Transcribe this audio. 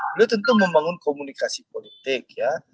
beliau tentu membangun komunikasi politik ya